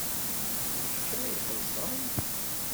D kečč ara ixellṣen?